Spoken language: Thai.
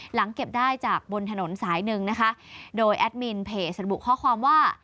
หลังเก็บได้จากบนถนนสายหนึ่งนะคะโดยแอดมินเพจระบุข้อความว่า